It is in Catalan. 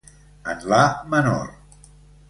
En la menor.